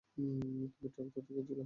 কিন্তু ট্রাক তো ঠিকই ছিল।